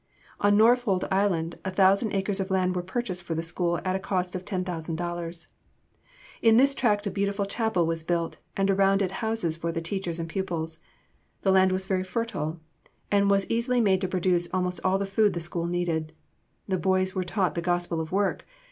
On Norfold Island a thousand acres of land were purchased for the school at a cost of ten thousand dollars. In this tract a beautiful chapel was built, and around it houses for the teachers and pupils. The land was very fertile, and was easily made to produce almost all the food the school needed. The boys were taught the gospel of work.